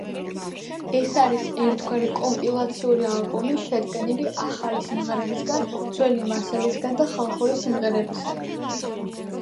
ეს არის ერთგვარი კომპილაციური ალბომი, შედგენილი ახალი სიმღერებისგან, ძველი მასალისგან და ხალხური სიმღერებისაგან.